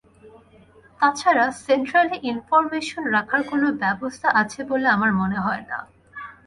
তা ছাড়া centrally information রাখার কোনো ব্যবস্থা আছে বলে আমার মনে হয় না।